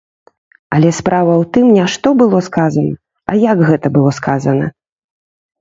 Але справа ў тым, не што было сказана, а як гэта было сказана.